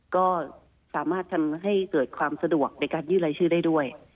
ก็สามารถทำให้เกิดความสะดวกในการยื่นรายชื่อได้ด้วย